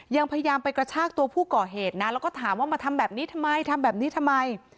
ยังพยายามไปกระชากตัวผู้ก่อเหตุนะแล้วก็ถามว่ามาทำแบบนี้ทำไม